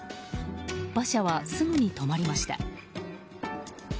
馬車はすぐに止まりました。